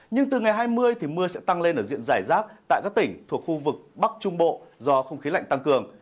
nhưng từ ngày hai mươi thì mưa sẽ tăng lên ở diện giải rác tại các tỉnh thuộc khu vực bắc trung bộ do không khí lạnh tăng cường